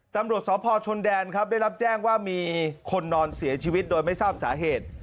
ตำรวจสพชนแดนครับได้รับแจ้งว่ามีคนนอนเสียชีวิตโดยไม่ทราบสาเหตุ